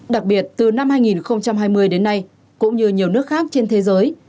đặc biệt từ năm hai nghìn hai mươi đến nay cũng như nhiều nước khác trên thế giới